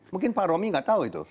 mungkin pak romi nggak tahu itu